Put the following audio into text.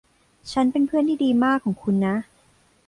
ฉันเป็นเพื่อนที่ดีมากของคุณนะ